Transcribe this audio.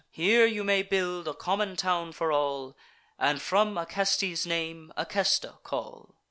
Here you may build a common town for all, And, from Acestes' name, Acesta call."